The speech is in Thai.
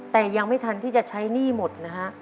แต่ยังไม่ทันที่จะใช้หนี้หมดนะฮะ